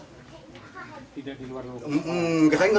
tidak di luar luar sekolah